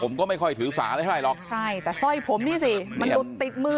ผมก็ไม่ค่อยถือสาร้ายหรอกใช่แต่สร้อยผมนี่สิมันตกติดมือ